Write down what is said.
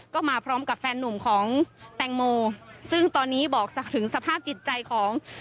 ก็มาพร้อมกับแฟนนุ่มของแตงโมซึ่งตอนนี้บอกถึงสภาพจิตใจของ